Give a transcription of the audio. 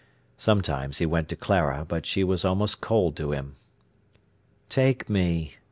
Sometimes he went to Clara, but she was almost cold to him. "Take me!"